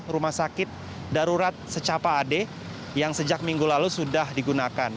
rumah sakit darurat secapa ad yang sejak minggu lalu sudah digunakan